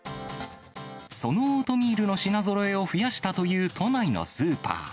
そのオートミールの品ぞろえを増やしたという都内のスーパー。